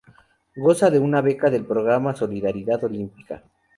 Goza de una beca del programa de Solidaridad Olímpica.